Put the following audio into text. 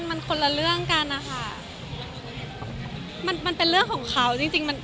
มันคนละเรื่องกันนะคะมันมันเป็นเรื่องของเขาจริงจริงมัน